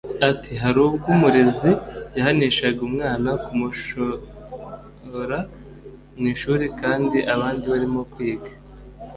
Ati “ Hari ubwo umurezi yahanishaga umwana kumusohora mu ishuri kandi abandi barimo kwiga